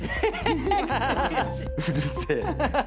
うるせえ。